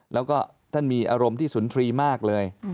แล้วก็ท่านมีอารมณ์ที่สุนทรีย์มากเลย